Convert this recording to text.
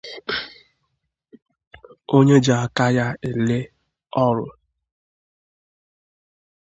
onye ji aka ya ele ọrụ